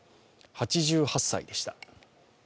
８８歳でした。